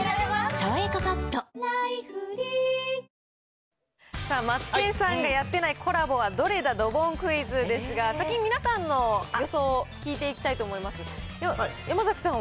「さわやかパッド」さあ、マツケンさんがやってないコラボはどれだドボンクイズですが、先に皆さんの予想を聞いていきたいと思います。